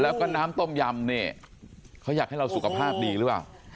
แล้วก็น้ำต้มยำเนี่ยเขาอยากให้เราสุขภาพดีหรือเปล่า